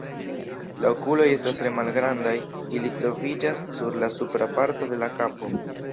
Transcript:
La okuloj estas tre malgrandaj, ili troviĝas sur la supra parto de la kapo.